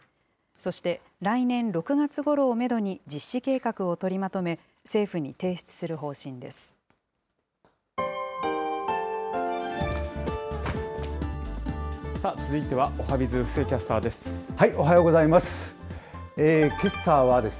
そして、来年６月ごろをメドに実施計画を取りまとめ、政府に提出する方針です。